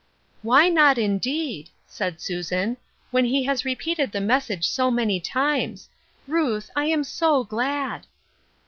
" "Why not, indeed! "said Susan, "when he has repeated the message so many times. Ruth. I am 80 glad